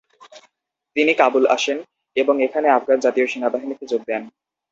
তিনি কাবুল আসেন এবং এখানে আফগান জাতীয় সেনাবাহিনীতে যোগ দেন।